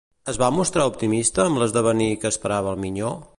Es va mostrar optimista amb l'esdevenir que esperava al minyó?